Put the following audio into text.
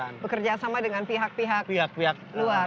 dan bekerja sama dengan pihak pihak luar